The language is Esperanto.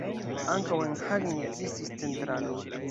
Ankaŭ en Hagen ekzistis centralo.